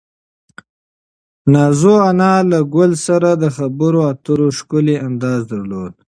نازو انا له ګل سره د خبرو اترو ښکلی انداز درلود.